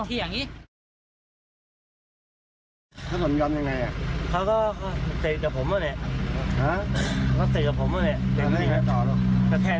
ทีนี้เราได้รู้ไหม